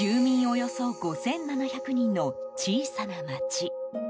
およそ５７００人の小さな町。